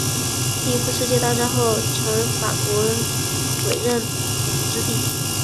第一次世界大战后成为法国委任统治地。